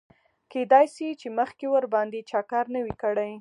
کیدای شي چې مخکې ورباندې چا کار نه وي کړی.